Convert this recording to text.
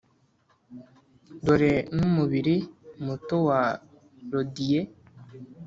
dore numubiri muto wa lodie